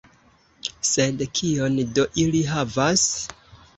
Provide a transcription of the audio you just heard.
Sed kion do ili havas?